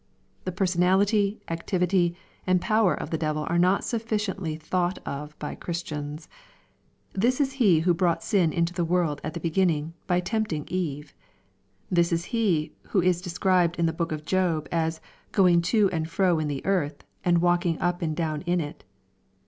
The personality, activity, and power of the devil are not sufficiently thought of by Christians. This is he who brought sin into the world at the beginning, by tempting Eve. This is he who is described in the book of Job as " going to and fro in the earth, and walking up and down in it."